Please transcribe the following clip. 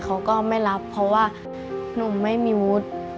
เขาก็ไม่รับเพราะว่าหนูไม่มีวุฒิ